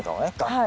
はい。